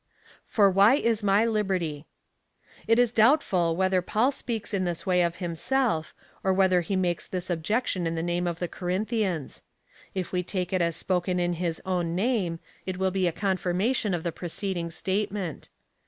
For why is my liberty. It is doubtful, whether Paul speaks in this way of himself, or whether he makes this objection in the name of the Corinthians. If we take it as spoken in his own name, it will be a confirmation of the preceding statement.